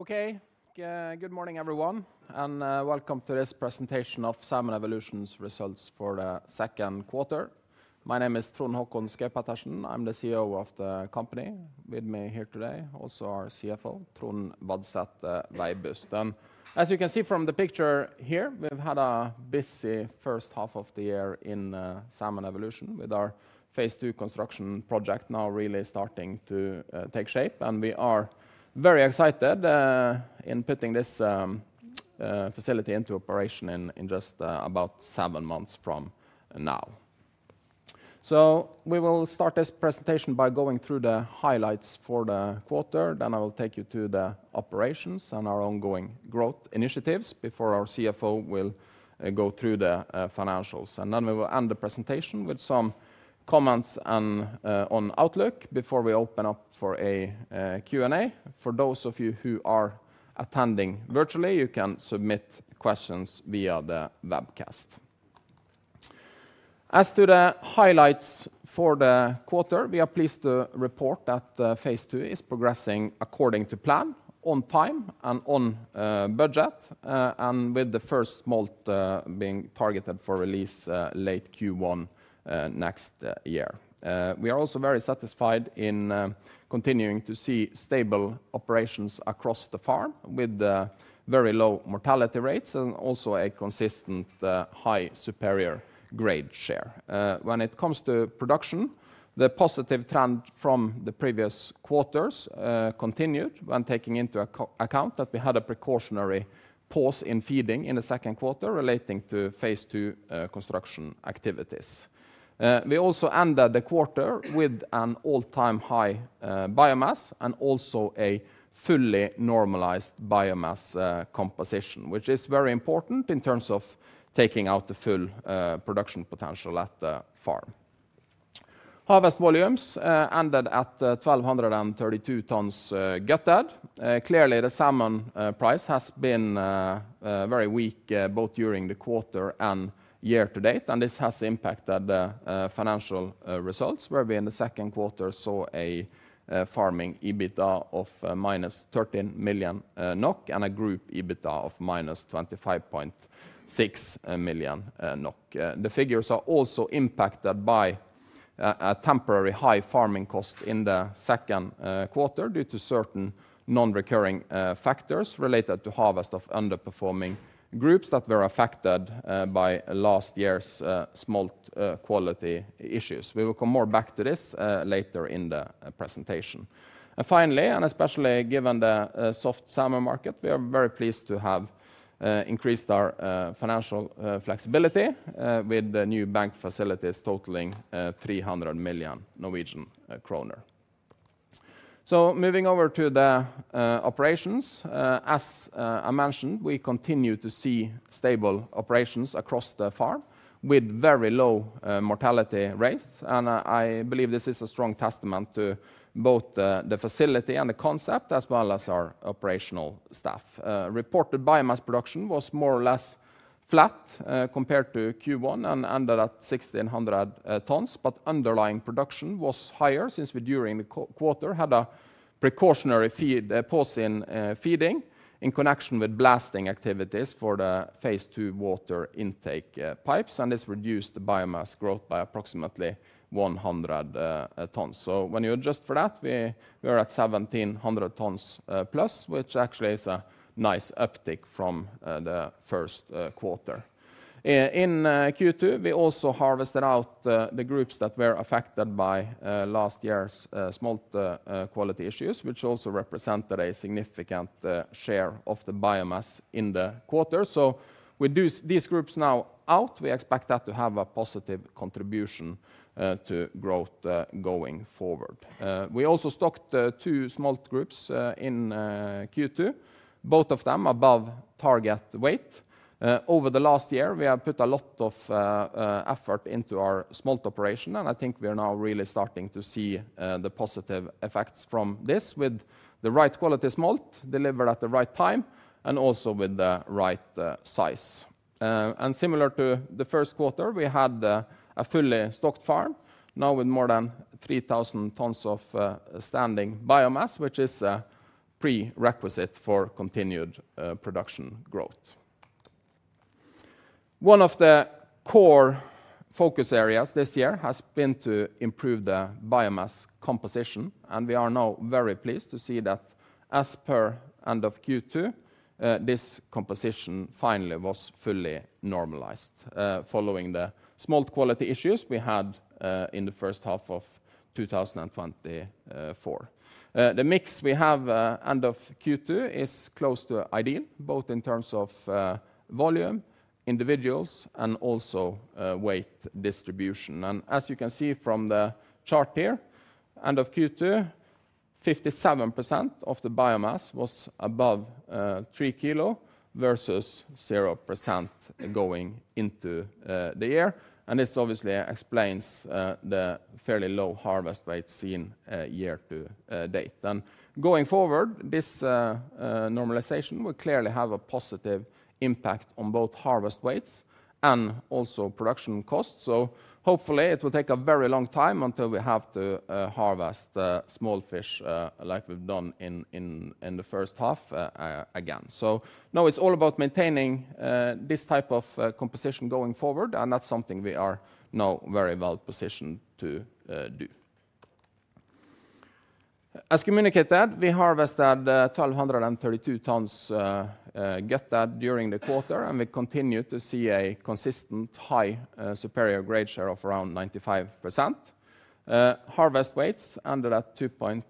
Okay, good morning everyone, and welcome to this presentation of Salmon Evolution's results for the second quarter. My name is Trond Håkon Schaug-Pettersen. I'm the CEO of the company. With me here today, also our CFO, Trond Veibust. As you can see from the picture here, we've had a busy first half of the year in Salmon Evolution with our Phase II construction project now really starting to take shape. We are very excited in putting this facility into operation in just about seven months from now. We will start this presentation by going through the highlights for the quarter. I will take you to the operations and our ongoing growth initiatives before our CFO will go through the financials. We will end the presentation with some comments on outlook before we open up for a Q&A. For those of you who are attending virtually, you can submit questions via the webcast. As to the highlights for the quarter, we are pleased to report that Phase II is progressing according to plan, on time and on budget, and with the first smolt being targeted for release late Q1 next year. We are also very satisfied in continuing to see stable operations across the farm with very low mortality rates and also a consistent high superior grade share. When it comes to production, the positive trend from the previous quarters continued when taking into account that we had a precautionary pause in feeding in the second quarter relating to Phase II construction activities. We also ended the quarter with an all-time high biomass and also a fully normalized biomass composition, which is very important in terms of taking out the full production potential at the farm. Harvest volumes ended at 1,232 tons gutted. Clearly, the salmon price has been very weak both during the quarter and year-to-date, and this has impacted the financial results where we in the second quarter saw a farming EBITDA of -13 million NOK and a group EBITDA of -25.6 million NOK. The figures are also impacted by a temporary high farming cost in the second quarter due to certain non-recurring factors related to harvest of underperforming groups that were affected by last year's smolt quality issues. We will come more back to this later in the presentation. Finally, and especially given the soft salmon market, we are very pleased to have increased our financial flexibility with the new bank facilities totaling 300 million Norwegian kroner. Moving over to the operations, as I mentioned, we continue to see stable operations across the farm with very low mortality rates, and I believe this is a strong testament to both the facility and the concept as well as our operational staff. Reported biomass production was more or less flat compared to Q1 and ended at 1,600 tons, but underlying production was higher since we during the quarter had a precautionary pause in feeding in connection with blasting activities for the Phase II water intake pipes, and this reduced the biomass growth by approximately 100 tons. When you adjust for that, we were at 1,700+ tons, which actually is a nice uptick from the first quarter. In Q2, we also harvested out the groups that were affected by last year's smolt quality issues, which also represented a significant share of the biomass in the quarter. With these groups now out, we expect that to have a positive contribution to growth going forward. We also stocked two smolt groups in Q2, both of them above target weight. Over the last year, we have put a lot of effort into our smolt operation, and I think we are now really starting to see the positive effects from this with the right quality smolt delivered at the right time and also with the right size. Similar to the first quarter, we had a fully stocked farm now with more than 3,000 tons of standing biomass, which is a prerequisite for continued production growth. One of the core focus areas this year has been to improve the biomass composition, and we are now very pleased to see that as per end of Q2, this composition finally was fully normalized following the smolt quality issues we had in the first half of 2024. The mix we have end of Q2 is close to ideal, both in terms of volume, individuals, and also weight distribution. As you can see from the chart here, end of Q2, 57% of the biomass was above 3 kg versus 0% going into the year. This obviously explains the fairly low harvest weight seen year-to-date. Going forward, this normalization will clearly have a positive impact on both harvest weights and also production costs. Hopefully it will take a very long time until we have to harvest small fish like we've done in the first half again. Now it's all about maintaining this type of composition going forward, and that's something we are now very well-positioned to do. As communicated, we harvested 1,232 tons gutted during the quarter, and we continue to see a consistent high superior grade share of around 95%. Harvest weights ended at 2.9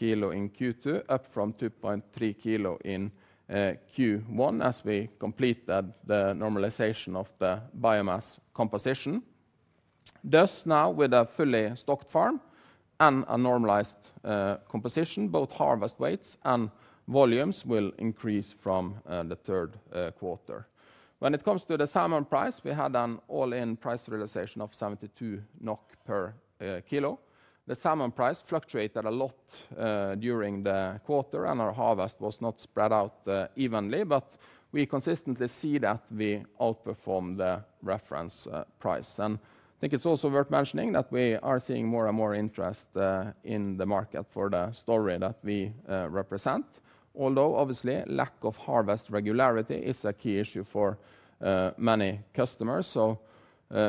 kg in Q2, up from 2.3 kg in Q1 as we completed the normalization of the biomass composition. Thus, now with a fully stocked farm and a normalized composition, both harvest weights and volumes will increase from the third quarter. When it comes to the salmon price, we had an all-in price realization of 72 NOK per kilo. The salmon price fluctuated a lot during the quarter, and our harvest was not spread out evenly, but we consistently see that we outperform the reference price. I think it's also worth mentioning that we are seeing more and more interest in the market for the story that we represent, although obviously lack of harvest regularity is a key issue for many customers.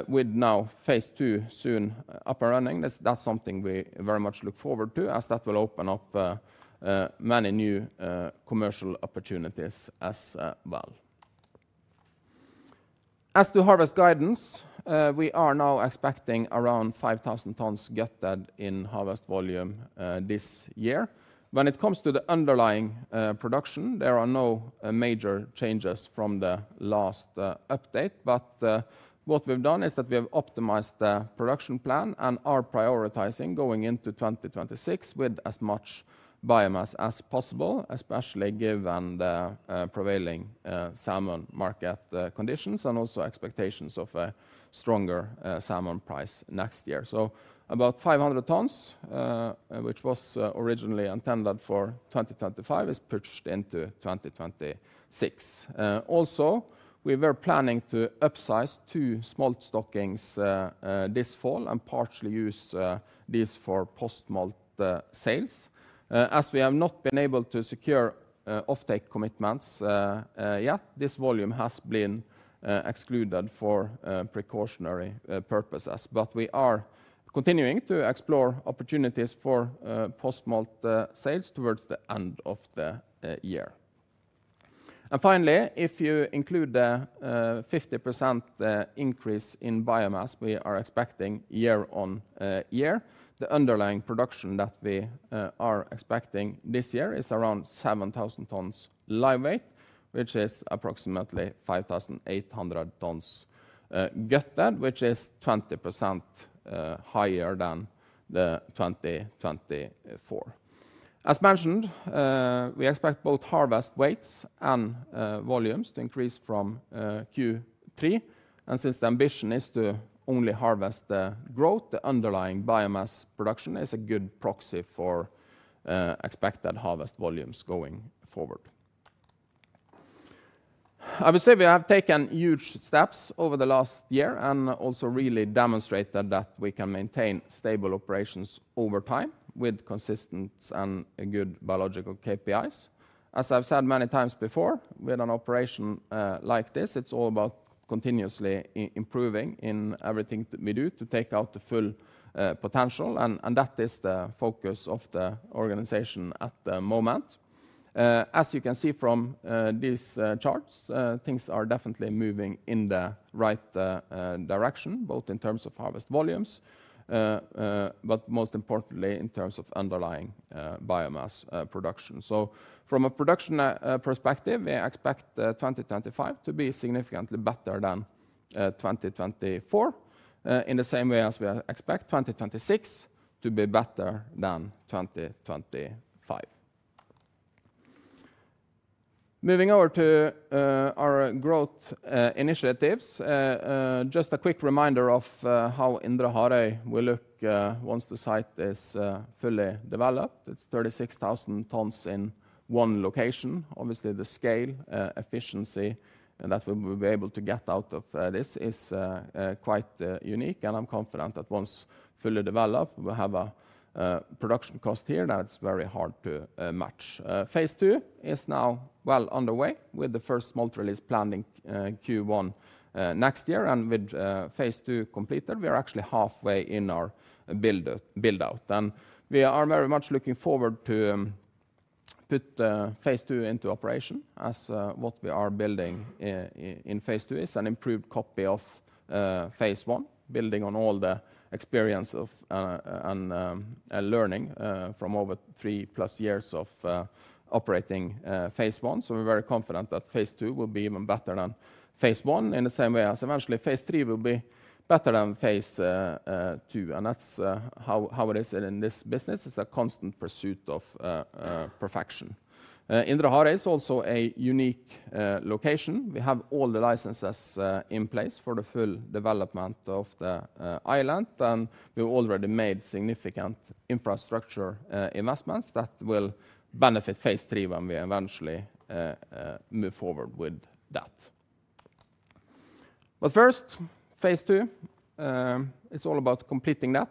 With now Phase II soon up and running, that's something we very much look forward to as that will open up many new commercial opportunities as well. As to harvest guidance, we are now expecting around 5,000 tons gutted in harvest volume this year. When it comes to the underlying production, there are no major changes from the last update, but what we've done is that we have optimized the production plan and are prioritizing going into 2026 with as much biomass as possible, especially given the prevailing salmon market conditions and also expectations of a stronger salmon price next year. About 500 tons, which was originally intended for 2025, is pushed into 2026. Also, we were planning to upsize two smolt stockings this fall and partially use these for post smolt sales. As we have not been able to secure offtake commitments yet, this volume has been excluded for precautionary purposes, but we are continuing to explore opportunities for post smolt sales towards the end of the year. Finally, if you include the 50% increase in biomass we are expecting year-on-year, the underlying production that we are expecting this year is around 7,000 tons live weight, which is approximately 5,800 tons gutted, which is 20% higher than 2024. As mentioned, we expect both harvest weights and volumes to increase from Q3, and since the ambition is to only harvest the growth, the underlying biomass production is a good proxy for expected harvest volumes going forward. I would say we have taken huge steps over the last year and also really demonstrated that we can maintain stable operations over time with consistent and good biological KPIs. As I've said many times before, with an operation like this, it's all about continuously improving in everything we do to take out the full potential, and that is the focus of the organization at the moment. As you can see from these charts, things are definitely moving in the right direction, both in terms of harvest volumes, but most importantly in terms of underlying biomass production. From a production perspective, we expect 2025 to be significantly better than 2024, in the same way as we expect 2026 to be better than 2025. Moving over to our growth initiatives, just a quick reminder of how Indre Harøy will look once the site is fully developed. It's 36,000 tons in one location. Obviously, the scale and efficiency that we will be able to get out of this is quite unique, and I'm confident that once fully developed, we'll have a production cost here that's very hard to match. Phase II is now well underway with the first smolt release planned in Q1 next year, and with Phase II completed, we are actually halfway in our build-out. We are very much looking forward to putting Phase II into operation as what we are building in Phase II is an improved copy of Phase I, building on all the experience and learning from over three plus years of operating Phase I. We're very confident that Phase II will be even better than Phase I, in the same way as eventually Phase III will be better than Phase II. That's how it is in this business. It's a constant pursuit of perfection. Indre Harøy is also a unique location. We have all the licenses in place for the full development of the island, and we've already made significant infrastructure investments that will benefit Phase III when we eventually move forward with that. First, Phase II, it's all about completing that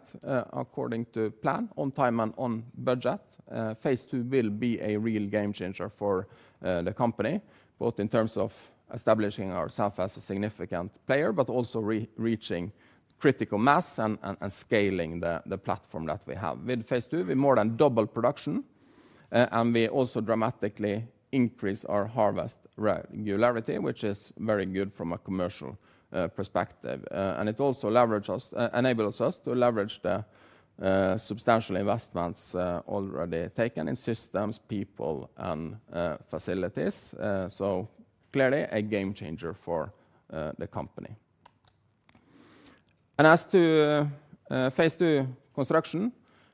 according to plan, on time and on budget. Phase II will be a real game changer for the company, both in terms of establishing ourselves as a significant player, but also reaching critical mass and scaling the platform that we have. With Phase II, we more than double production, and we also dramatically increase our harvest regularity, which is very good from a commercial perspective. It also enables us to leverage the substantial investments already taken in systems, people, and facilities. Clearly a game changer for the company. As to Phase II construction,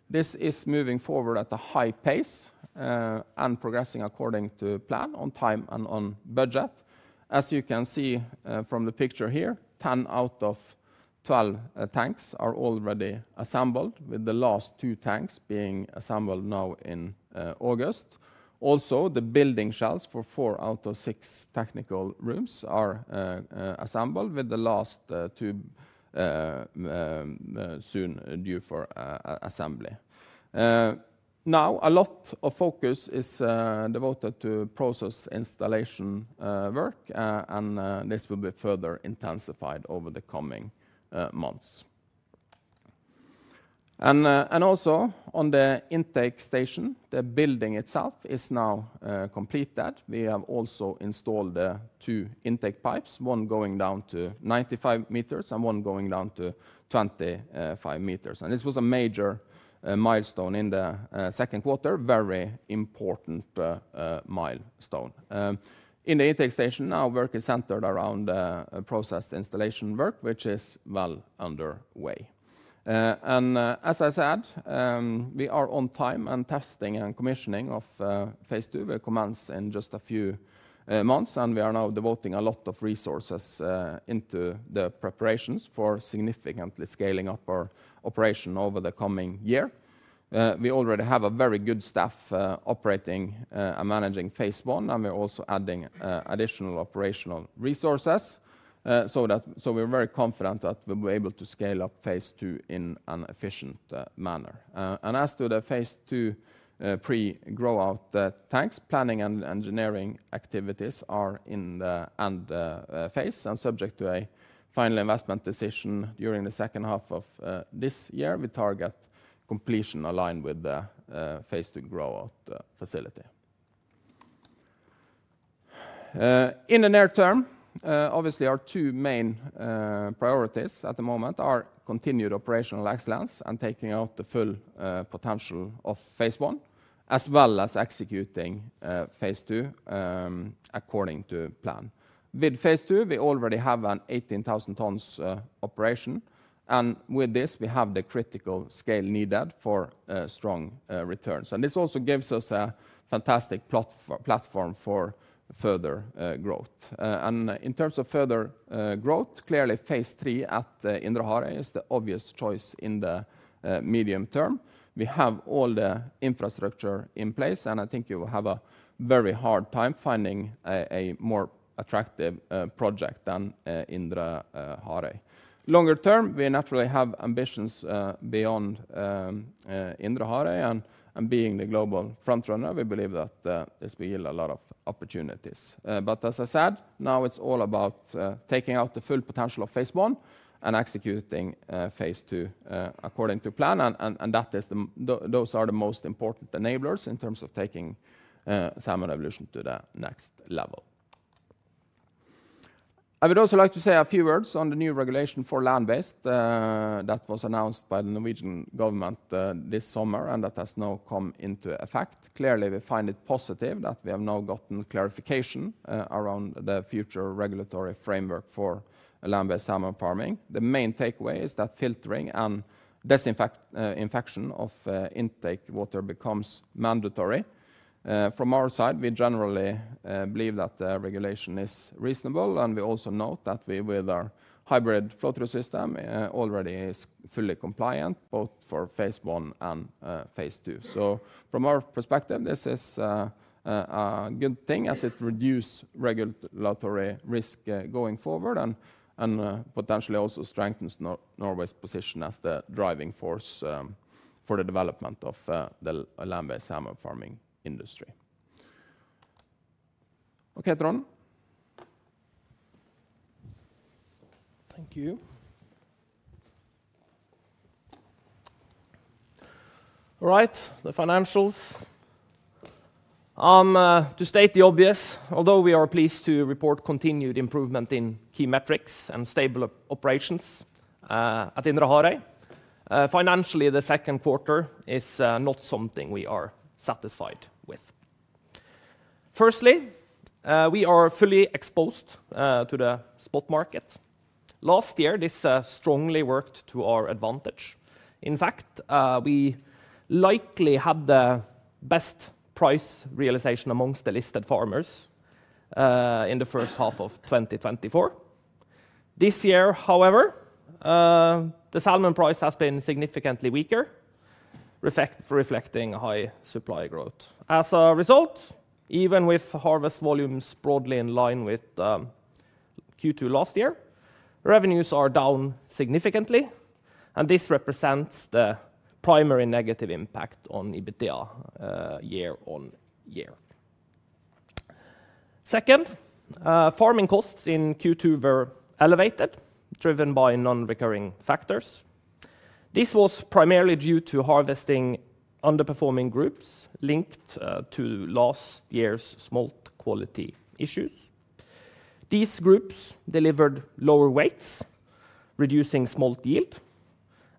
this is moving forward at a high pace and progressing according to plan, on time and on budget. As you can see from the picture here, 10 tanks out of 12 tanks are already assembled, with the last two tanks being assembled now in August. Also, the building shells for four out of six technical rooms are assembled, with the last two soon due for assembly. A lot of focus is devoted to process installation work, and this will be further intensified over the coming months. Also, on the intake station, the building itself is now completed. We have also installed two intake pipes, one going down to 95 m and one going down to 25 m. This was a major milestone in the second quarter, a very important milestone. In the intake station now, work is centered around the process installation work, which is well underway. As I said, we are on time and testing and commissioning of Phase II will commence in just a few months, and we are now devoting a lot of resources into the preparations for significantly scaling up our operation over the coming year. We already have a very good staff operating and managing Phase I, and we're also adding additional operational resources. We're very confident that we'll be able to scale up Phase II in an efficient manner. As to the Phase II pre-grow-out tanks, planning and engineering activities are in the end phase and subject to a final investment decision during the second half of this year. We target completion aligned with the Phase II grow-out facility. In the near term, obviously, our two main priorities at the moment are continued operational excellence and taking out the full potential of Phase I, as well as executing Phase II according to plan. With Phase II, we already have an 18,000 tons operation, and with this, we have the critical scale needed for strong returns. This also gives us a fantastic platform for further growth. In terms of further growth, clearly Phase III at Indre Harøy is the obvious choice in the medium term. We have all the infrastructure in place, and I think you will have a very hard time finding a more attractive project than Indre Harøy. Longer-term, we naturally have ambitions beyond Indre Harøy and being the global frontrunner. We believe that this will yield a lot of opportunities. As I said, now it's all about taking out the full potential of Phase I and executing Phase II according to plan. Those are the most important enablers in terms of taking Salmon Evolution to the next level. I would also like to say a few words on the new regulation for land-based that was announced by the Norwegian government this summer and that has now come into effect. Clearly, we find it positive that we have now gotten clarification around the future regulatory framework for land-based salmon farming. The main takeaway is that filtering and disinfection of intake water becomes mandatory. From our side, we generally believe that the regulation is reasonable, and we also note that we with our hybrid flow-through system already are fully compliant both for Phase I and Phase II. From our perspective, this is a good thing as it reduces regulatory risk going forward and potentially also strengthens Norway's position as the driving force for the development of the land-based salmon farming industry. Okay, Trond. Thank you. All right, the financials. To state the obvious, although we are pleased to report continued improvement in key metrics and stable operations at Indre Harøy, financially the second quarter is not something we are satisfied with. Firstly, we are fully exposed to the spot market. Last year, this strongly worked to our advantage. In fact, we likely had the best price realization amongst the listed farmers in the first half of 2024. This year, however, the salmon price has been significantly weaker, reflecting high supply growth. As a result, even with harvest volumes broadly in line with Q2 last year, revenues are down significantly, and this represents the primary negative impact on EBITDA year-on-year. Second, farming costs in Q2 were elevated, driven by non-recurring factors. This was primarily due to harvesting underperforming groups linked to last year's smolt quality issues. These groups delivered lower weights, reducing smolt yield,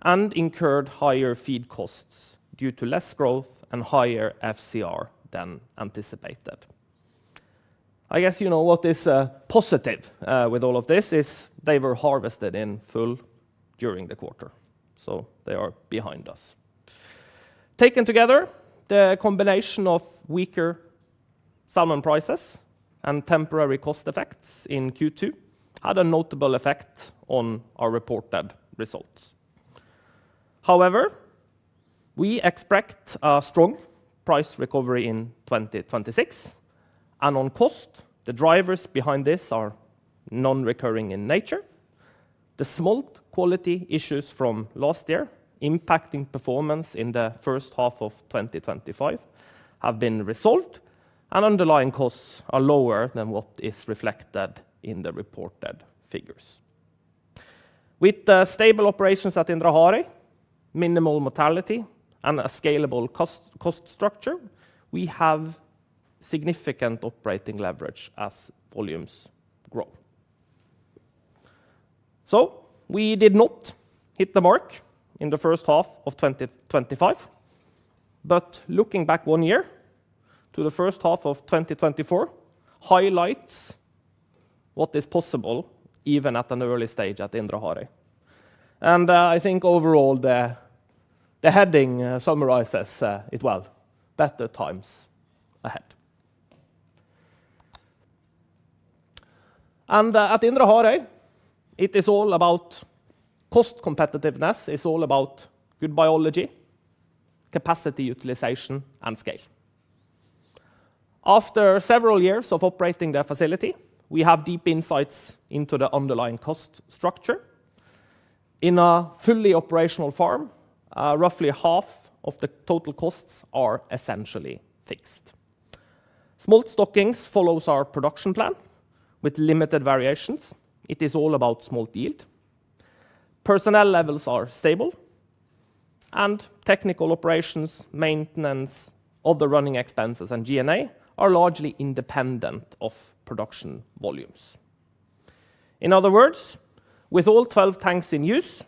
and incurred higher feed costs due to less growth and higher FCR than anticipated. What is positive with all of this is they were harvested in full during the quarter, so they are behind us. Taken together, the combination of weaker salmon prices and temporary cost effects in Q2 had a notable effect on our reported results. However, we expect a strong price recovery in 2026, and on cost, the drivers behind this are non-recurring in nature. The smolt quality issues from last year impacting performance in the first half of 2025 have been resolved, and underlying costs are lower than what is reflected in the reported figures. With stable operations at Indre Harøy, minimal mortality, and a scalable cost structure, we have significant operating leverage as volumes grow. We did not hit the mark in the first half of 2025, but looking back one year to the first half of 2024 highlights what is possible even at an early stage at Indre Harøy. I think overall the heading summarizes it well: better times ahead. At Indre Harøy, it is all about cost competitiveness; it's all about good biology, capacity utilization, and scale. After several years of operating the facility, we have deep insights into the underlying cost structure. In a fully operational farm, roughly half of the total costs are essentially fixed. Smolt stockings follow our production plan with limited variations; it is all about smolt yield. Personnel levels are stable, and technical operations, maintenance, other running expenses, and G&A are largely independent of production volumes. In other words, with all 12 tanks in use,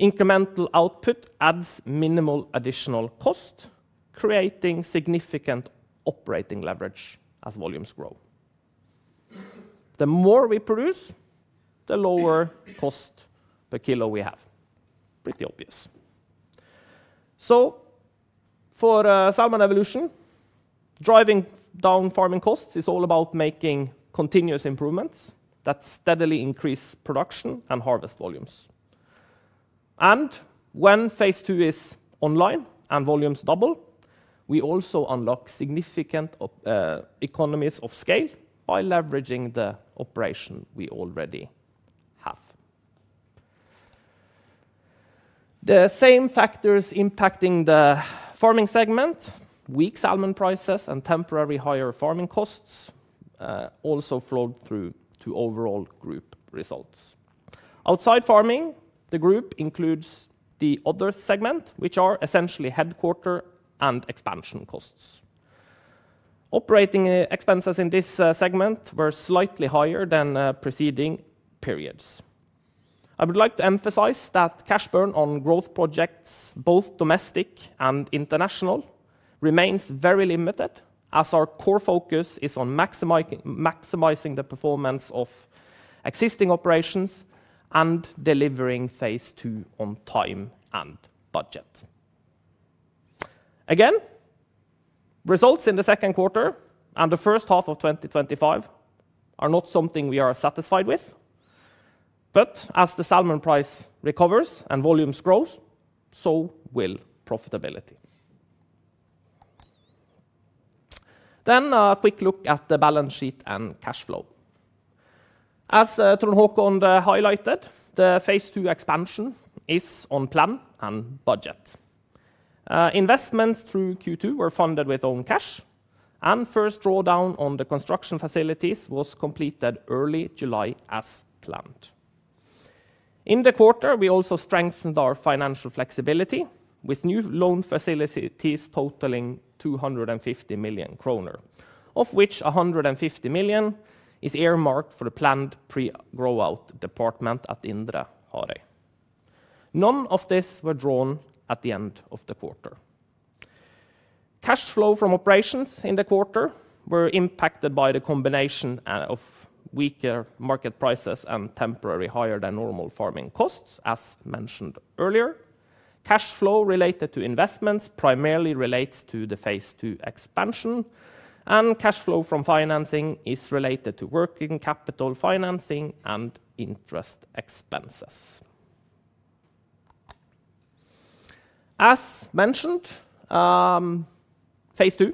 incremental output adds minimal additional cost, creating significant operating leverage as volumes grow. The more we produce, the lower cost per kilo we have. Pretty obvious. For Salmon Evolution, driving down farming costs is all about making continuous improvements that steadily increase production and harvest volumes. When Phase II is online and volumes double, we also unlock significant economies of scale by leveraging the operation we already have. The same factors impacting the farming segment: weak salmon prices and temporary higher farming costs also flowed through to overall group results. Outside farming, the group includes the other segment, which are essentially headquarter and expansion costs. Operating expenses in this segment were slightly higher than preceding periods. I would like to emphasize that cash burn on growth projects, both domestic and international, remains very limited as our core focus is on maximizing the performance of existing operations and delivering Phase II on time and budget. Results in the second quarter and the first half of 2025 are not something we are satisfied with, but as the salmon price recovers and volumes grow, so will profitability. A quick look at the balance sheet and cash flow. As Trond Håkon Schaug-Pettersen highlighted, the Phase II expansion is on plan and budget. Investments through Q2 were funded with own cash, and the first drawdown on the construction facilities was completed early July as planned. In the quarter, we also strengthened our financial flexibility with new loan facilities totaling 250 million kroner, of which 150 million is earmarked for the planned pre-grow-out department at Indre Harøy. None of these were drawn at the end of the quarter. Cash flow from operations in the quarter were impacted by the combination of weaker market prices and temporary higher than normal farming costs, as mentioned earlier. Cash flow related to investments primarily relates to the Phase II expansion, and cash flow from financing is related to working capital financing and interest expenses. As mentioned, Phase II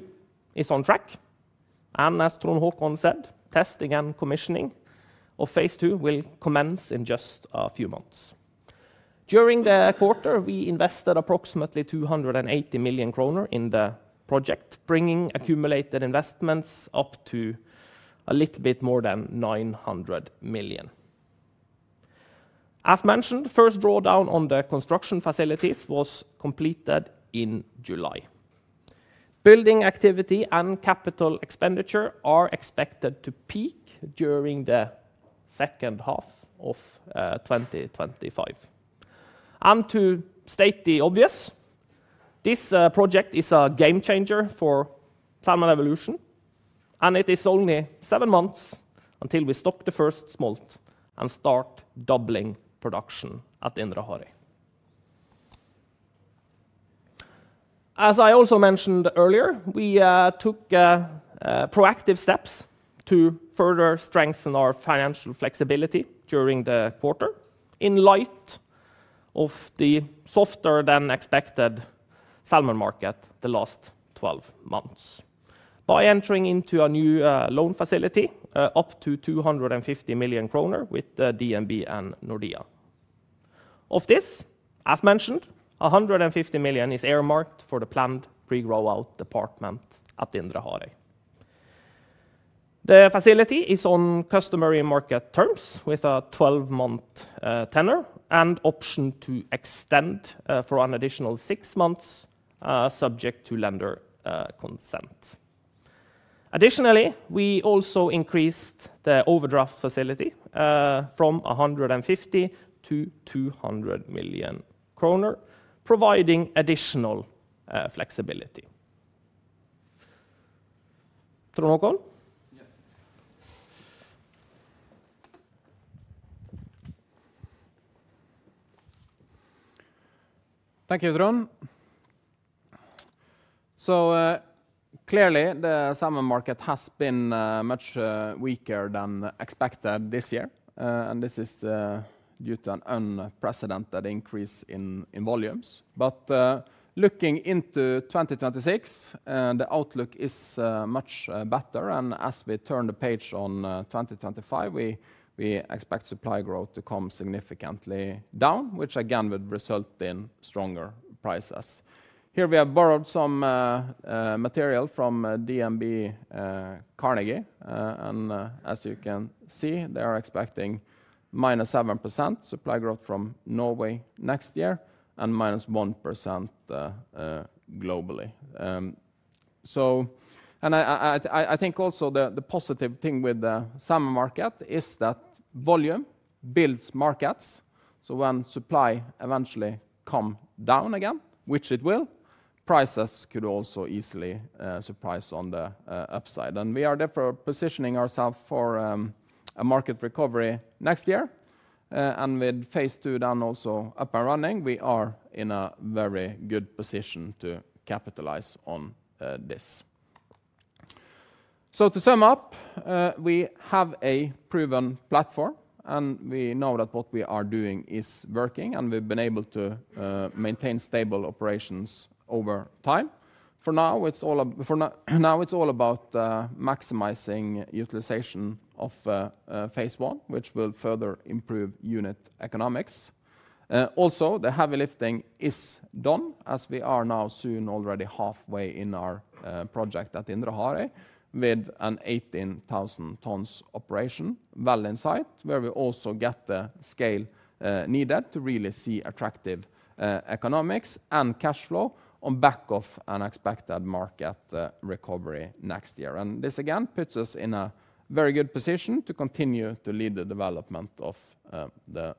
is on track, and as Trond said, testing and commissioning of Phase II will commence in just a few months. During the quarter, we invested approximately 280 million kroner in the project, bringing accumulated investments up to a little bit more than 900 million. As mentioned, the first drawdown on the construction facilities was completed in July. Building activity and capital expenditure are expected to peak during the second half of 2025. This project is a game changer for Salmon Evolution, and it is only seven months until we stock the first smolt and start doubling production at Indre Harøy. As I also mentioned earlier, we took proactive steps to further strengthen our financial flexibility during the quarter in light of the softer than expected salmon market the last 12 months by entering into a new loan facility up to 250 million kroner with DNB and Nordea. Of this, as mentioned, 150 million is earmarked for the planned pre-grow-out department at Indre Harøy. The facility is on customary market terms with a 12-month tenor and option to extend for an additional six months, subject to lender consent. Additionally, we also increased the overdraft facility from 150 million-200 million kroner, providing additional flexibility. Trond Håkon? Yes. Thank you, Trond. Clearly, the salmon market has been much weaker than expected this year, and this is due to an unprecedented increase in volumes. Looking into 2026, the outlook is much better, and as we turn the page on 2025, we expect supply growth to come significantly down, which again would result in stronger prices. Here we have borrowed some material from DNB Carnegie, and as you can see, they are expecting -7% supply growth from Norway next year and -1% globally. I think also the positive thing with the salmon market is that volume builds markets. When supply eventually comes down again, which it will, prices could also easily surprise on the upside. We are therefore positioning ourselves for a market recovery next year. With Phase II then also up and running, we are in a very good position to capitalize on this. To sum up, we have a proven platform, and we know that what we are doing is working, and we've been able to maintain stable operations over time. For now, it's all about maximizing utilization of Phase I, which will further improve unit economics. Also, the heavy lifting is done, as we are now soon already halfway in our project at Indre Harøy with an 18,000 tons operation well in sight, where we also get the scale needed to really see attractive economics and cash flow on back of an expected market recovery next year. This again puts us in a very good position to continue to lead the development of the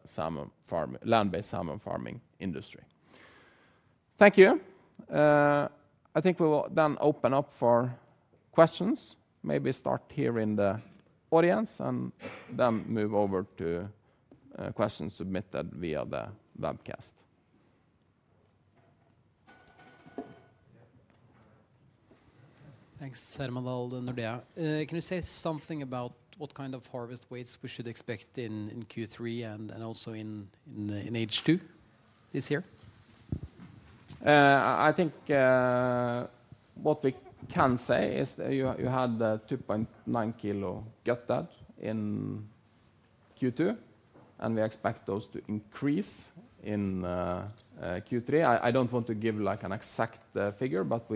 land-based salmon farming industry. Thank you. I think we will then open up for questions. Maybe start here in the audience and then move over to questions submitted via the webcast. Thanks, Herman Dahl, Nordea. Can you say something about what kind of harvest weights we should expect in Q3 and also in H2 this year? I think what we can say is that you had 2.9 kg gutted in Q2, and we expect those to increase in Q3. I don't want to give like an exact figure, but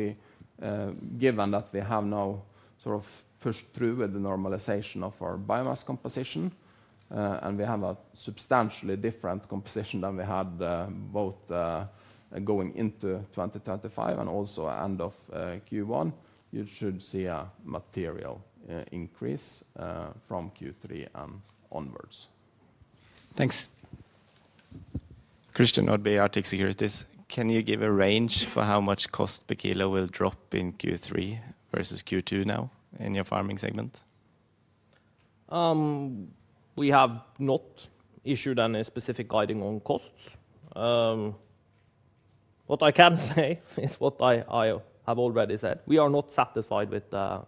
given that we have now pushed through with the normalization of our biomass composition, and we have a substantially different composition than we had both going into 2025 and also end of Q1, you should see a material increase from Q3 and onwards. Thanks. Christian Nordby, Arctic Securities, can you give a range for how much cost per kilo will drop in Q3 versus Q2 now in your farming segment? We have not issued any specific guiding on costs. What I can say is what I have already said. We are not satisfied with the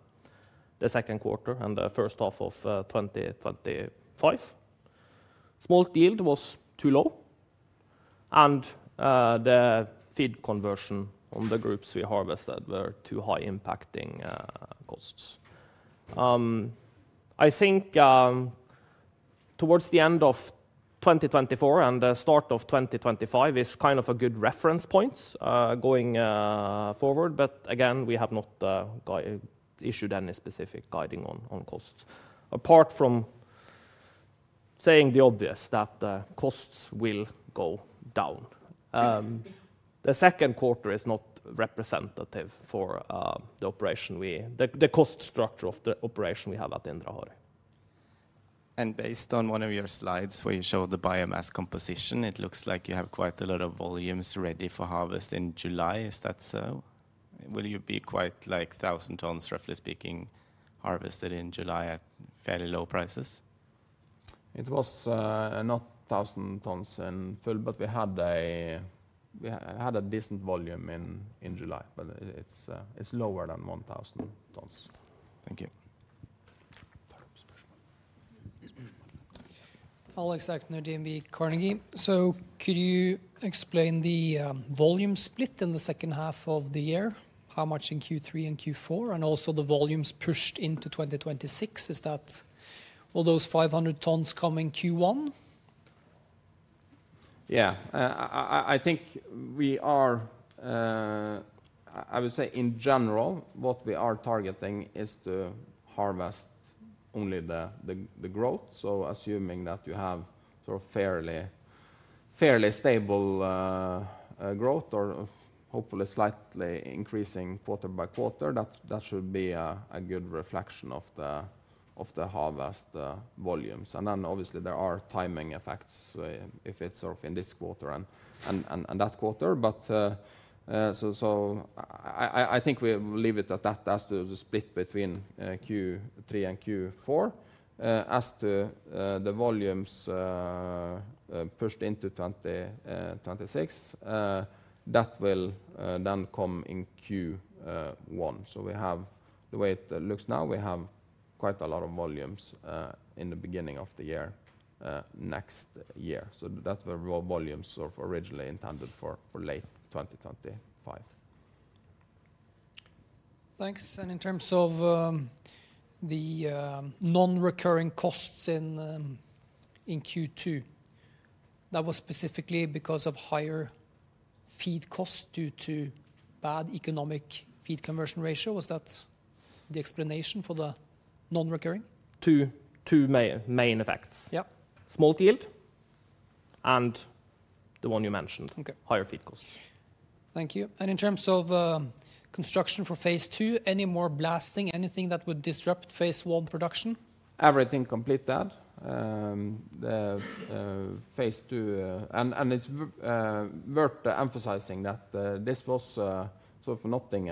second quarter and the first half of 2025. Smolt yield was too low, and the feed conversion on the groups we harvested was too high, impacting costs. I think towards the end of 2024 and the start of 2025 is kind of a good reference point going forward, but again, we have not issued any specific guiding on costs. Apart from saying the obvious, that the costs will go down, the second quarter is not representative for the cost structure of the operation we have at Indre Harøy. Based on one of your slides where you show the biomass composition, it looks like you have quite a lot of volumes ready for harvest in July. Is that so? Will you be quite like 1,000 tons, roughly speaking, harvested in July at fairly low prices? It was not 1,000 tons in full, we had a decent volume in July, but it's lower than 1,000 tons. Thank you. Alex Aukner, DNB Carnegie. So could you explain the volume split in the second half of the year? How much in Q3 and Q4, and also the volumes pushed into 2026? Is that all those 500 tons coming Q1? I think we are, I would say in general, what we are targeting is to harvest only the growth. Assuming that you have sort of fairly stable growth or hopefully slightly increasing quarter-by-quarter, that should be a good reflection of the harvest volumes. Obviously, there are timing effects if it's sort of in this quarter and that quarter. I think we will leave it at that as to the split between Q3 and Q4. As to the volumes pushed into 2026, that will then come in Q1. The way it looks now, we have quite a lot of volumes in the beginning of the year next year. That's where raw volumes were originally intended for late 2025. Thanks. In terms of the non-recurring costs in Q2, that was specifically because of higher feed costs due to bad economic feed conversion ratio. Was that the explanation for the non-recurring? Two main effects: smolt yield and the one you mentioned, higher feed costs. Thank you. In terms of construction for Phase II, any more blasting, anything that would disrupt Phase I production? Everything completed. Phase II, and it's worth emphasizing that this was sort of nothing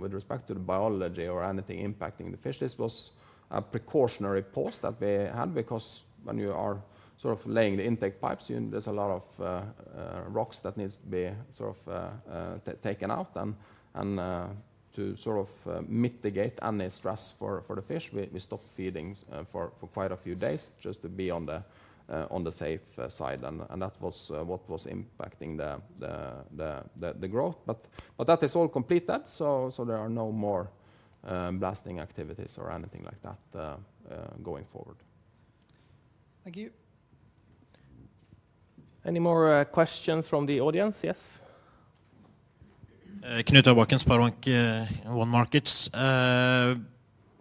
with respect to the biology or anything impacting the fish. This was a precautionary pause that we had because when you are sort of laying the intake pipes, there's a lot of rocks that need to be sort of taken out. To sort of mitigate any stress for the fish, we stopped feeding for quite a few days just to be on the safe side. That was what was impacting the growth. That is all completed. There are no more blasting activities or anything like that going forward. Thank you. Any more questions from the audience? Yes. Knut-Ivar Bakken at SpareBank 1 Markets.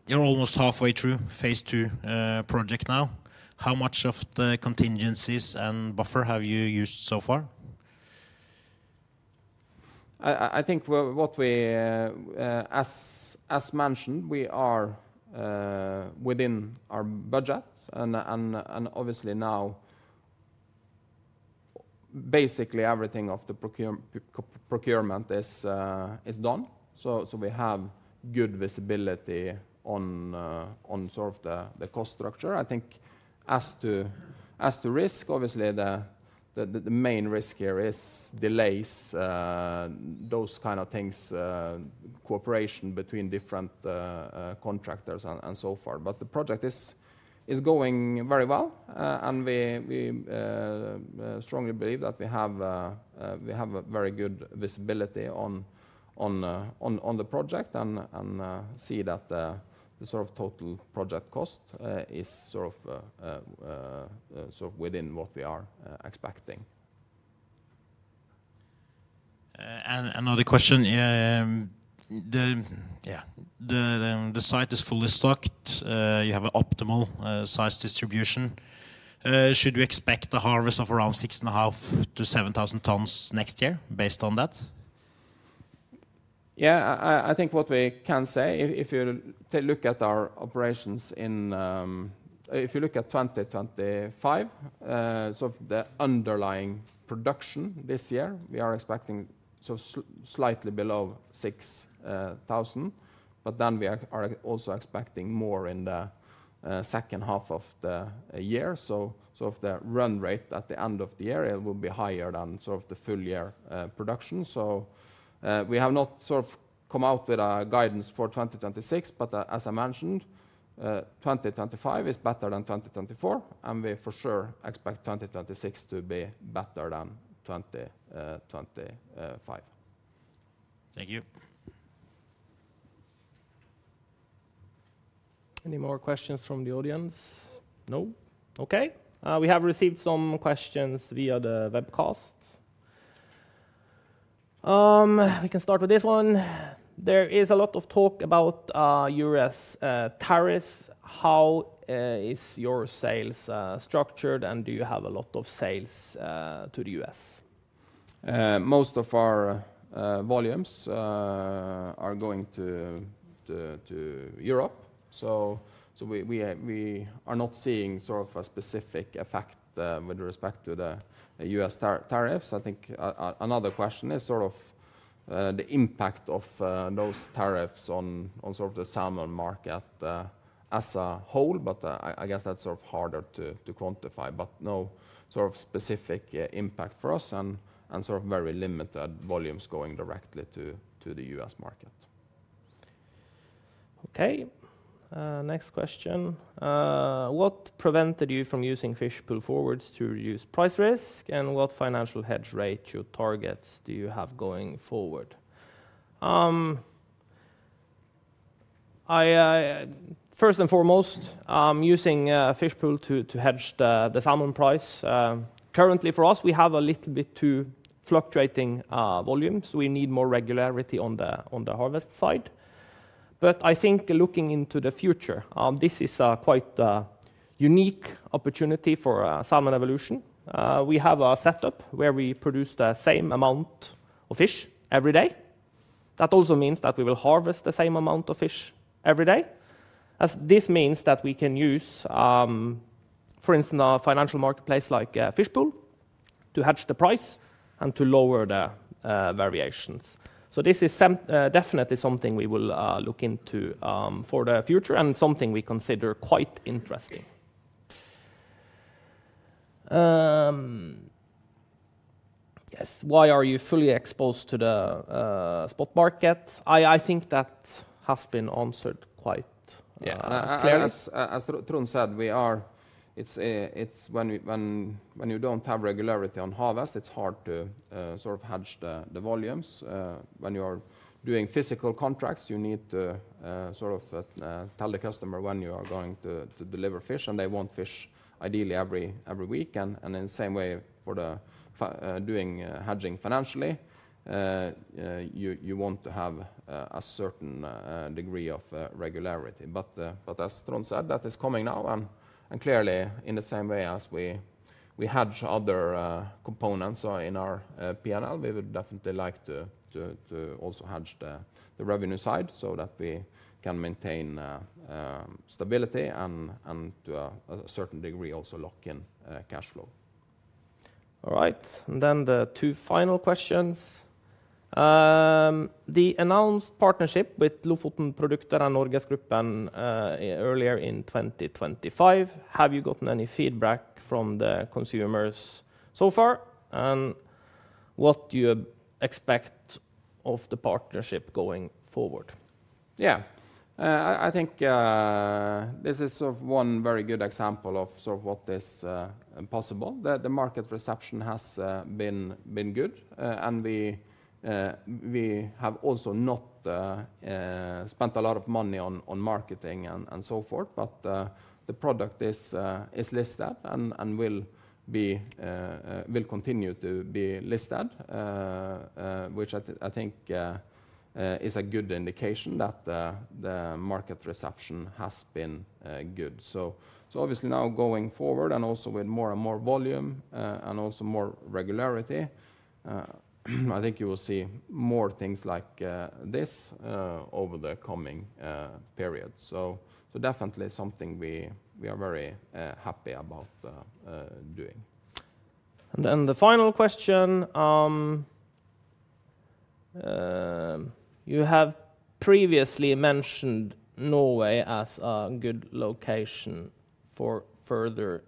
You're almost halfway through Phase II expansion now. How much of the contingencies and buffer have you used so far? I think what we, as mentioned, we are within our budget. Obviously, now basically everything of the procurement is done, so we have good visibility on sort of the cost structure. I think as to risk, obviously the main risk here is delays, those kind of things, cooperation between different contractors and so forth. The project is going very well, and we strongly believe that we have a very good visibility on the project and see that the sort of total project cost is within what we are expecting. Another question. The site is fully stocked. You have an optimal size distribution. Should we expect a harvest of around 6,500-7,000 tons next year based on that? I think what we can say, if you look at our operations in, if you look at 2025, the underlying production this year, we are expecting slightly below 6,000, but then we are also expecting more in the second half of the year. If the run rate at the end of the year will be higher than the full year production. We have not come out with a guidance for 2026, but as I mentioned, 2025 is better than 2024, and we for sure expect 2026 to be better than 2025. Thank you. Any more questions from the audience? No? Okay. We have received some questions via the webcast. We can start with this one. There is a lot of talk about U.S. tariffs. How is your sales structured, and do you have a lot of sales to the U.S? Most of our volumes are going to Europe. We are not seeing a specific effect with respect to the U.S. tariffs. I think another question is the impact of those tariffs on the salmon market as a whole, but I guess that's harder to quantify. There is no specific impact for us and very limited volumes going directly to the U.S. market. Okay. Next question. What prevented you from using fish pull forwards to reduce price risk, and what financial hedge rate targets do you have going forward? First and foremost, using Fishpool to hedge the salmon price. Currently, for us, we have a little bit too fluctuating volumes. We need more regularity on the harvest side. I think looking into the future, this is a quite unique opportunity for Salmon Evolution. We have a setup where we produce the same amount of fish every day. That also means that we will harvest the same amount of fish every day. This means that we can use, for instance, a financial marketplace like Fishpool to hedge the price and to lower the variations. This is definitely something we will look into for the future and something we consider quite interesting. Yes. Why are you fully exposed to the spot market? I think that has been answered quite. Yeah. As Trond said, when you don't have regularity on harvest, it's hard to sort of hedge the volumes. When you are doing physical contracts, you need to sort of tell the customer when you are going to deliver fish, and they want fish ideally every week. In the same way, for doing hedging financially, you want to have a certain degree of regularity. As Trond said, that is coming now. Clearly, in the same way as we hedge other components in our P&L, we would definitely like to also hedge the revenue side so that we can maintain stability and to a certain degree also lock in cash flow. All right. The two final questions. The announced partnership with Lofotprodukt and NorgesGruppen earlier in 2025. Have you gotten any feedback from the consumers so far, and what do you expect of the partnership going forward? I think this is sort of one very good example of what is possible. The market reception has been good, and we have also not spent a lot of money on marketing and so forth. The product is listed and will continue to be listed, which I think is a good indication that the market reception has been good. Obviously, now going forward and also with more and more volume and also more regularity, I think you will see more things like this over the coming period. Definitely something we are very happy about doing. You have previously mentioned Norway as a good location for further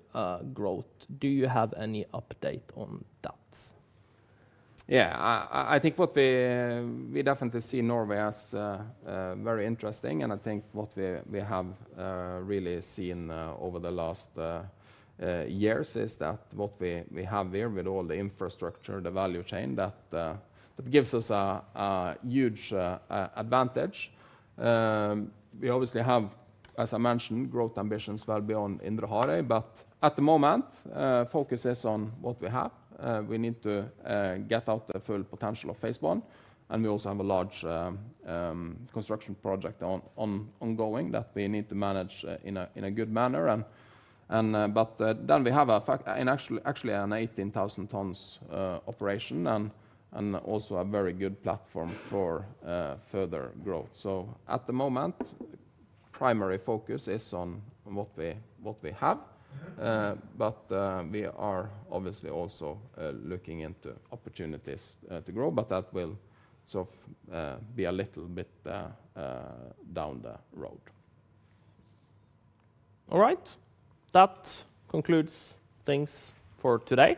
growth. Do you have any update on that? Yeah, I think we definitely see Norway as very interesting, and I think what we have really seen over the last years is that what we have here with all the infrastructure, the value chain, that gives us a huge advantage. We obviously have, as I mentioned, growth ambitions well beyond Indre Harøy, but at the moment, focus is on what we have. We need to get out the full potential of Phase I, and we also have a large construction project ongoing that we need to manage in a good manner. We have actually an 18,000 tons operation and also a very good platform for further growth. At the moment, the primary focus is on what we have, but we are obviously also looking into opportunities to grow, but that will sort of be a little bit down the road. All right, that concludes things for today.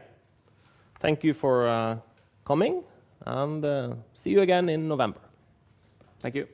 Thank you for coming, and see you again in November. Thank you.